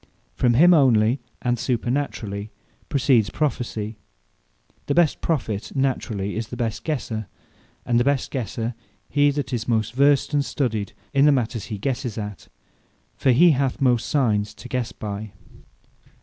From him onely, and supernaturally, proceeds Prophecy. The best Prophet naturally is the best guesser; and the best guesser, he that is most versed and studied in the matters he guesses at: for he hath most Signes to guesse by.